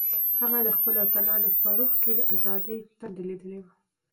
هغه د خپلو اتلانو په روح کې د ازادۍ تنده لیدلې وه.